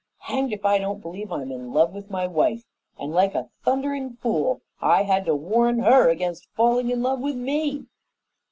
Hanged if I don't believe I'm in love with my wife, and, like a thundering fool, I had to warn her against falling in love with me!